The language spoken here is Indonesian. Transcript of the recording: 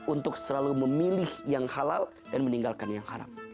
untuk selalu memilih yang halal dan meninggalkan yang haram